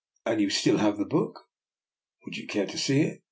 And you still have that book? "" Would you care to see it?